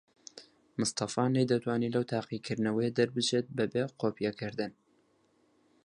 مستەفا نەیدەتوانی لەو تاقیکردنەوەیە دەربچێت بەبێ قۆپیەکردن.